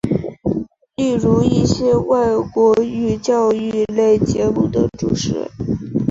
例如一些外国语教育类节目的主持人。